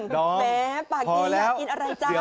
แม้ปากดีอยากกินอะไรจ๊ะ